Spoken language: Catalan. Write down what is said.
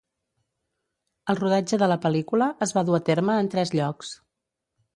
El rodatge de la pel·lícula es va dur a terme en tres llocs.